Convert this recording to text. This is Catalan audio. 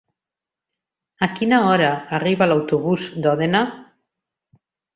A quina hora arriba l'autobús de Òdena?